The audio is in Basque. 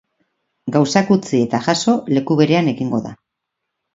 Gauzak utzi eta jaso leku berean egingo da.